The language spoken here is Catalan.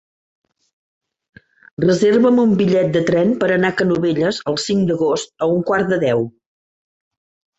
Reserva'm un bitllet de tren per anar a Canovelles el cinc d'agost a un quart de deu.